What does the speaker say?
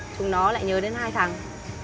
chúng nó lại nhớ đến hai thằng